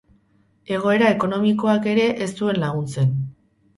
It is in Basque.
Egoera ekonomikoak ere ez zuen laguntzen.